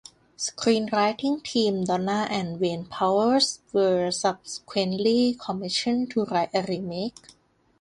Screenwriting team Donna and Wayne Powers were subsequently commissioned to write a remake.